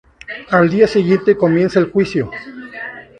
Al día siguiente comienza el juicio.